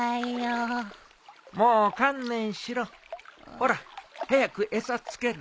ほら早く餌付けろ。